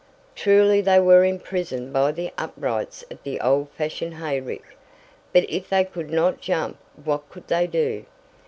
Truly they were imprisoned by the uprights of the old fashioned hayrick! But if they could not jump what could they do?